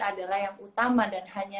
adalah yang utama dan hanya